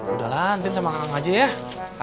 udahlah entin sama kakak ngaji ya